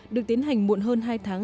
được tiến hành muộn hơn hai tháng